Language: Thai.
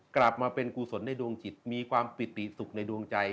กลับมาเป็นกุศลในดวงจิตมีความปิติสุขในดวงใจ